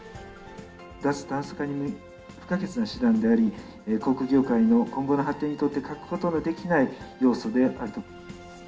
脱炭素化に不可欠な手段であり、航空業界の今後の発展にとって欠くことのできない要素であると。